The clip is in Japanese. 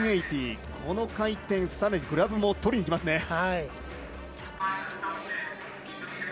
この回転さらにグラブも取りにいきますね。